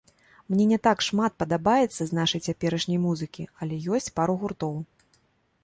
Мне не так шмат падабаецца з нашай цяперашняй музыкі, але ёсць пару гуртоў.